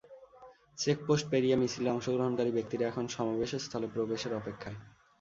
Checkpost পেরিয়ে মিছিলে অংশগ্রহণকারী ব্যক্তিরা এখন সমাবেশস্থলে প্রবেশের অপেক্ষায়।